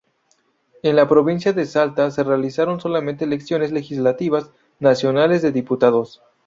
En la provincia de Salta se realizaron solamente elecciones legislativas nacionales de diputados.